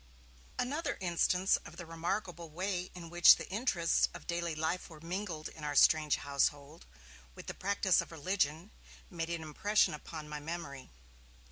Another instance of the remarkable way in which the interests of daily life were mingled in our strange household, with the practice of religion, made an impression upon my memory.